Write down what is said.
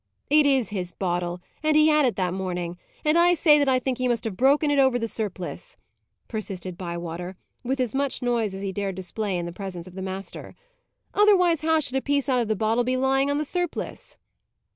"It is his bottle, and he had it that morning; and I say that I think he must have broken it over the surplice," persisted Bywater, with as much noise as he dared display in the presence of the master. "Otherwise, how should a piece out of the bottle be lying on the surplice?"